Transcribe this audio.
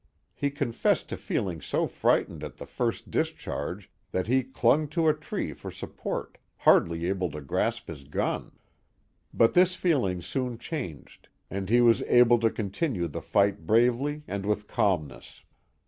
He con fessed to feeling so frightened at the first discharge that he clung to a tree for support, hardly able to grasp his gun. But this feeling soon changed, and he was able to continue the fight bravely and with calmness.